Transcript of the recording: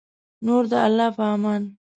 نور د الله په امان